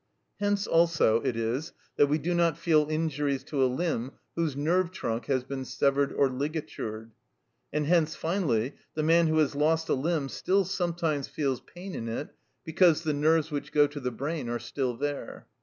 Hence, also, it is that we do not feel injuries to a limb whose nerve trunk has been severed or ligatured. And hence, finally, the man who has lost a limb still sometimes feels pain in it, because the nerves which go to the brain are still there.